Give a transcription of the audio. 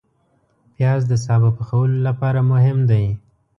پیاز د سابه پخولو لپاره مهم دی